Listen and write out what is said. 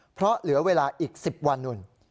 เพราะเหลือเวลาอีก๑๐วัน